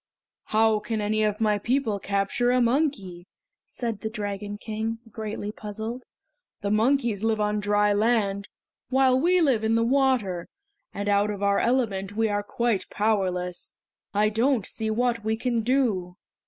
"How can any of my people capture a monkey?" said the Dragon King, greatly puzzled. "The monkeys live on dry land, while we live in the water; and out of our element we are quite powerless! I don't see what we can do!"